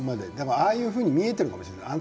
ああいうふうに見えているかもしれませんよね。